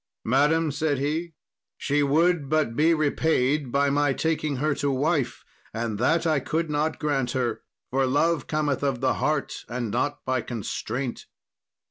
"Madam," said he, "she would but be repaid by my taking her to wife, and that I could not grant her, for love cometh of the heart and not by constraint."